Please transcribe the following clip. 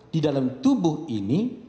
di dalam tubuh ini